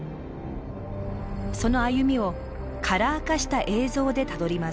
その歩みをカラー化した映像でたどります。